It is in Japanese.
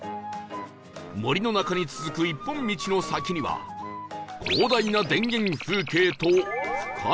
森の中に続く一本道の先には広大な田園風景と深い山々